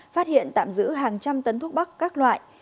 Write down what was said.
phát hiện tạm giữ hàng trăm tấn thuốc bắc các loại